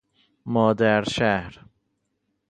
مادرشهر